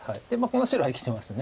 この白は生きてます。